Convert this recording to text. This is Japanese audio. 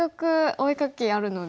お絵描きあるので。